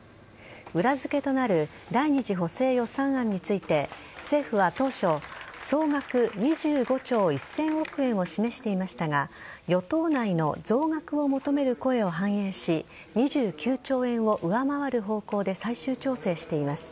裏付けとなる第２次補正予算案について政府は当初総額２５兆１０００億円を示していましたが与党内の増額を求める声を反映し２９兆円を上回る方向で最終調整しています。